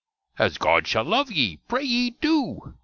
As God shall love ye! prayey do!